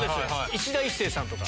いしだ壱成さんとか。